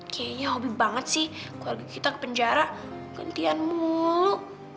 kayaknya hobi banget sih kalau kita ke penjara gantian mulu